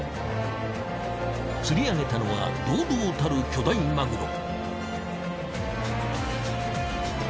釣り上げたのは堂々たる巨大マグロ。